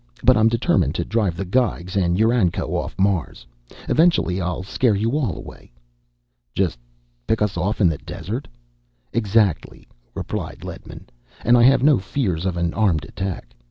But I'm determined to drive the Geigs and UranCo off Mars. Eventually I'll scare you all away." "Just pick us off in the desert?" "Exactly," replied Ledman. "And I have no fears of an armed attack.